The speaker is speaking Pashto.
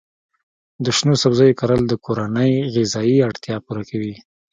د شنو سبزیو کرل د کورنۍ غذایي اړتیا پوره کوي.